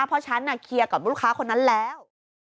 เพราะฉันเคลียร์กับลูกค้าคนนั้นแล้ว